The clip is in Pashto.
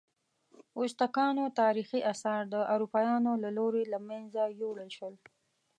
ازتکانو تاریخي آثار د اروپایانو له لوري له منځه یوړل شول.